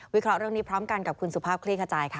เคราะห์เรื่องนี้พร้อมกันกับคุณสุภาพคลี่ขจายค่ะ